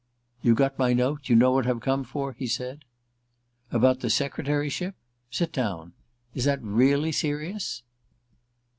"You got my note? You know what I've come for?" he said. "About the secretaryship? (Sit down.) Is that really serious?"